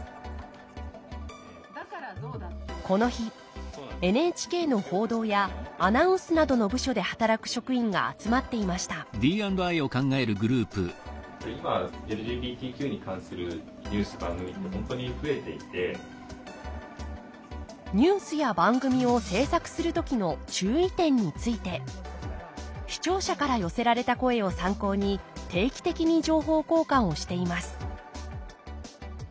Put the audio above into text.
この日ＮＨＫの報道やアナウンスなどの部署で働く職員が集まっていましたニュースや番組を制作する時の注意点について視聴者から寄せられた声を参考に定期的に情報交換をしています